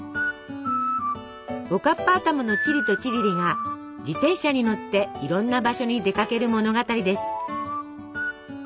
おかっぱ頭のチリとチリリが自転車に乗っていろんな場所に出かける物語です。